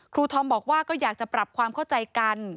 ธอมบอกว่าก็อยากจะปรับความเข้าใจกัน